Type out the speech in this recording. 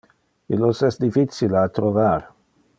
Illos es difficile a trovar.